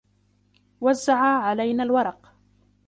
وزع علينا الورق.